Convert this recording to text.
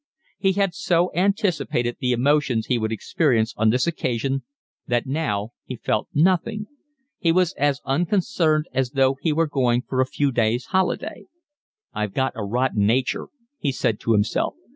He had so anticipated the emotions he would experience on this occasion that now he felt nothing: he was as unconcerned as though he were going for a few days' holiday. "I've got a rotten nature," he said to himself.